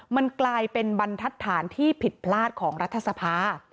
มันกลายเป็นบรรทัศน์ที่ผิดพลาดของรัฐสภา